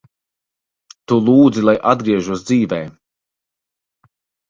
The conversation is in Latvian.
Tu lūdzi, lai atgriežos dzīvē.